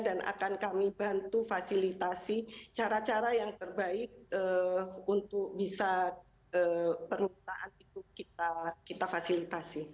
dan akan kami bantu fasilitasi cara cara yang terbaik untuk bisa permintaan itu kita fasilitasi